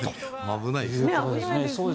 危ないですね。